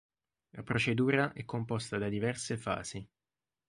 La procedura è composta da diverse fasi.